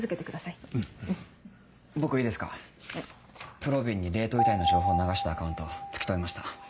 ぷろびんに冷凍遺体の情報を流したアカウント突き止めました。